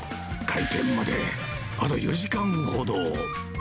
開店まであと４時間ほど。